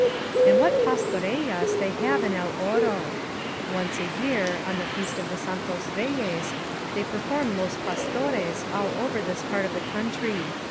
And what PastoreUas they have in El Oro ! Once a year, on the Feast of the Santos Reyes, they per form Los Pastores all over this part of the country.